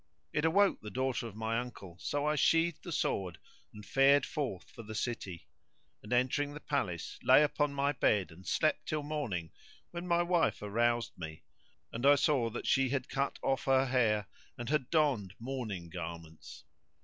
It awoke the daughter of my uncle, so I sheathed the sword and fared forth for the city; and, entering the palace, lay upon my bed and slept till morning when my wife aroused me and I saw that she had cut off her hair and had donned mourning garments.